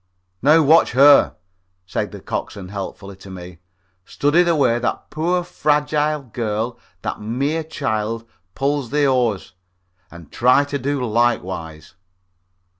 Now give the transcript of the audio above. "Now, watch her," said the coxswain, helpfully, to me; "study the way that poor fragile girl, that mere child, pulls the oars, and try to do likewise."